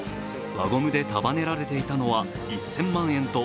輪ゴムで束ねられていたのは１０００万円と